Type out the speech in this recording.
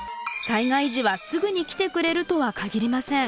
災害時はすぐに来てくれるとは限りません。